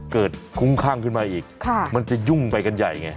คุ้มข้างขึ้นมาอีกมันจะยุ่งไปกันใหญ่ไง